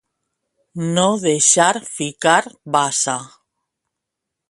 No deixar ficar basa.